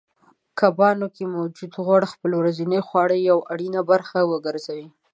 کبانو کې موجود غوړ خپل ورځنۍ خواړه یوه اړینه برخه وګرځوئ